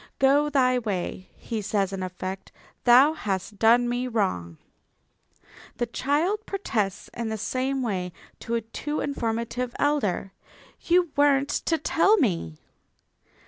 "Go thy way," he says in effect, "thou hast done me wrong." The child protests in the same way to a too informative elder: "You weren't to tell me!"